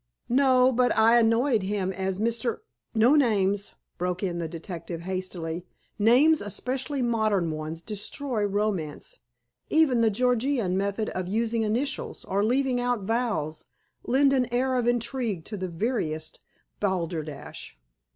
"No, but I annoyed him, as Mr.——" "No names!" broke in the detective hastily. "Names, especially modern ones, destroy romance. Even the Georgian method of using initials, or leaving out vowels, lend an air of intrigue to the veriest balderdash."